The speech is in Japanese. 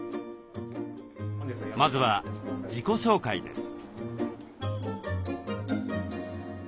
まずは自己紹介です。